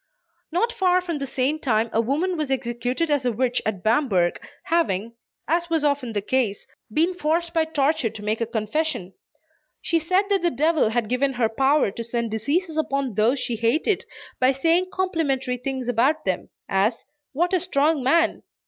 Not far from the same time a woman was executed as a witch at Bamberg, having, as was often the case, been forced by torture to make a confession. She said that the devil had given her power to send diseases upon those she hated, by saying complimentary things about them, as "What a strong man!"